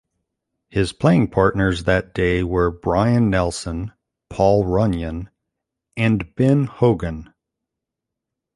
His playing partners that day were Byron Nelson, Paul Runyan, and Ben Hogan.